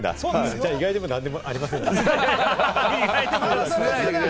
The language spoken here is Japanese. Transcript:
じゃあ意外でも何でもありませんでした。